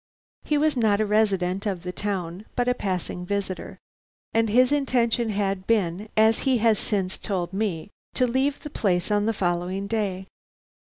"He was not a resident of the town, but a passing visitor; and his intention had been, as he has since told me, to leave the place on the following day.